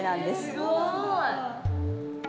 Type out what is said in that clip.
すごい。